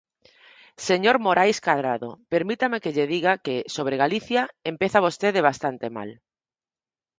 Señor Morais Cadrado, permítame que lle diga que, sobre Galicia, empeza vostede bastante mal.